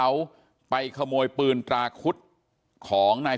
พันให้หมดตั้ง๓คนเลยพันให้หมดตั้ง๓คนเลย